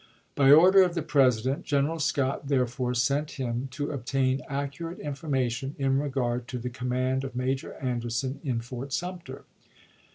By order of the President, General Scott therefore sent him to obtain " accurate information to scotT in regard to the command of Major Anderson in w1b.'vol Fort Sumter."